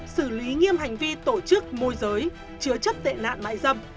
xử lý nghiêm hành vi tổ chức môi giới chứa chất tệ nạn bãi dâm